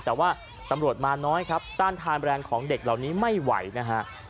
แต่ว่าตำรวจมาน้อยครับต้านทานแรงของเด็กเหล่านี้ไม่ไหวนะฮะ